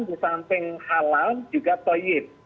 di samping halal juga toyib